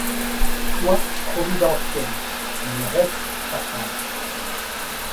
Toi providentiel, et le reste fatal !